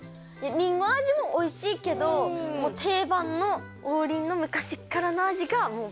りんご味もおいしいけどもう定番の王林の昔っからの味がバナナ味